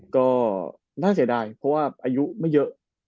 ก็น่าเสียดายเพราะว่าอายุไม่เยอะ